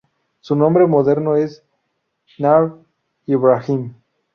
Su nombre moderno es Nahr Ibrahim.